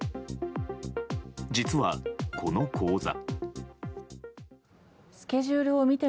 実は、この講座。